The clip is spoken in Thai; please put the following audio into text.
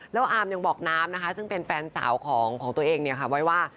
แล้วอามยังบอกน้ำนะคะซึ่งเป็นแฟนสาวของตัวเองไว้ว่า